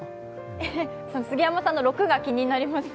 杉山さんの６が気になります。